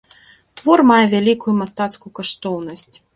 Твор мае вялікую мастацкую каштоўнасць.